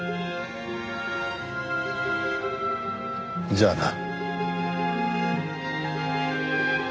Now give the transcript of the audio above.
じゃあな。